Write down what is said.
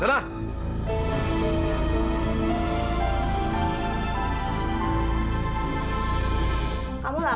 sekarang kamu tidur